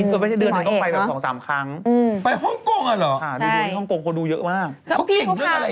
อ๋อโทนี่ไปกับเขาด้วยทุนอนละแกงเห็นไหมล่ะ